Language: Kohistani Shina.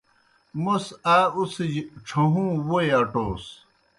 موْس آ اُڅِھجیْ ڇھہُوں ووئی اٹَوس۔